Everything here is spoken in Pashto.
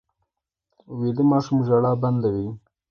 ویده ماشوم ژړا بنده وي